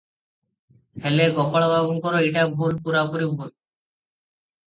ହେଲେ ଗୋପାଳବାବୁଙ୍କର ଏଟା ଭୁଲ, ପୁରାପୁରି ଭୁଲ ।